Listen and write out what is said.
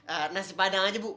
eh nasi padang aja bu